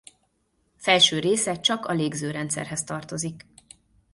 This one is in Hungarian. Felső része csak a légzőrendszerhez tartozik.